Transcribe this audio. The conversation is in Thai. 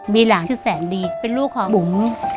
มีหลานที่แสนดีเป็นลูกของบุ๋ม